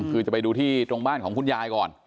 คือจะไปดูที่ตรงบ้านของคุณยายก่อน